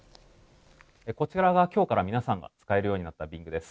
こちらは今日から皆さんが使えるようになったＢｉｎｇです。